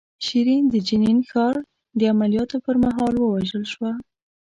شیرین د جنین ښار د عملیاتو پر مهال ووژل شوه.